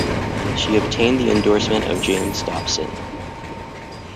She obtained the endorsement of James Dobson.